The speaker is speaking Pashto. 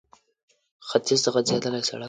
ختيځ ته غځېدلی سړک